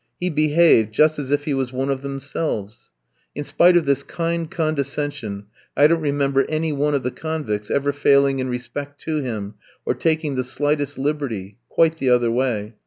He behaved just as if he was one of themselves. In spite of this kind condescension, I don't remember any one of the convicts ever failing in respect to him or taking the slightest liberty quite the other way.